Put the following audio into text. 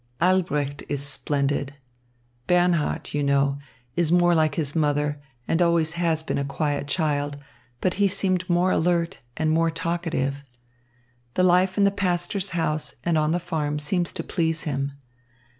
Albrecht is splendid. Bernhard, you know, is more like his mother and always has been a quiet child. But he seemed more alert and more talkative. The life in the pastor's house and on the farm seems to please him.